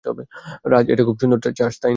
রাজ, এটা খুব সুন্দর চার্চ তাইনা?